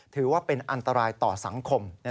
ถือว่าเป็นอันตรายต่อสังคม